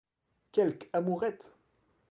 Quelque amourette!